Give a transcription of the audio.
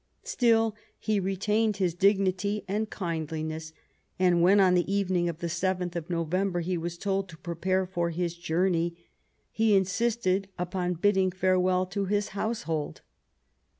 Still he retained his dignity and kindliness, and when on the evening of 7th November he was told to prepare for his journey, he insisted upon bidding fare well to his household.